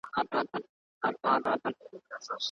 نماینده باید د خپلو خلګو ږغ پورته کړي.